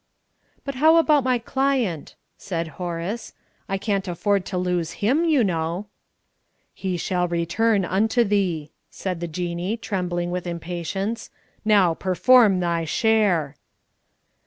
"But how about my client?" said Horace. "I can't afford to lose him, you know." "He shall return unto thee," said the Jinnee, trembling with impatience. "Now perform thy share."